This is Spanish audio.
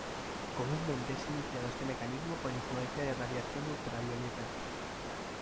Comúnmente es iniciado este mecanismo por influencia de radiación ultravioleta.